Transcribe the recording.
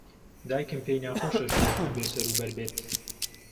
دایکم پێی ناخۆشە ژوورەکەم بێسەروبەر بێت.